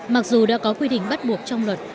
mặc dù đã có quy định bắt buộc trong luật